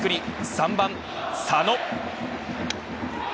３番、佐野。